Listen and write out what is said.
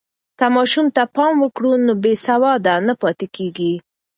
که ماشوم ته پام وکړو، نو بې سواده نه پاتې کېږي.